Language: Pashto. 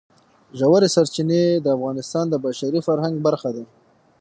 ژورې سرچینې د افغانستان د بشري فرهنګ برخه ده.